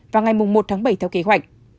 vào ngày một tháng bảy theo kế hoạch